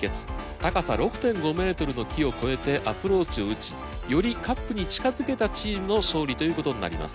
高さ６．５メートルの木を越えてアプローチを打ちよりカップに近づけたチームの勝利ということになります。